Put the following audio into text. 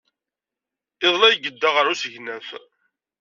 Iḍelli ay yedda ɣer usegnaf.